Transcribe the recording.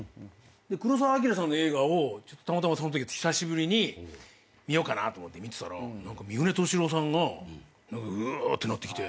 で黒澤明さんの映画をたまたまそのとき久しぶりに見ようかなと思って見てたら三船敏郎さんがうーってなって。